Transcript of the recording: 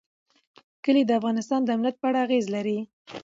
کلي د افغانستان د امنیت په اړه اغېز لري.